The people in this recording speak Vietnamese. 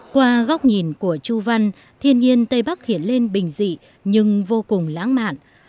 qua góc nhìn của chu văn thiên nhiên tây bắc hiện lên bình dị nhưng vô cùng lãng mạn